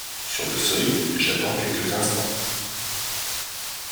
Sur le seuil, j’attends quelques instants.